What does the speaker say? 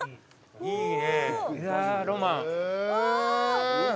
「いいね！